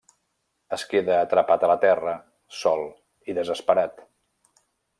Es queda atrapat a la Terra, sol i desesperat.